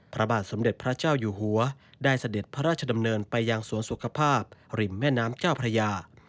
พระบาทสมเด็จพระเจ้าอยู่หัวได้เสด็จพระราชดำเนินไปยังสวนสุขภาพริมแม่น้ำเจ้าพระยา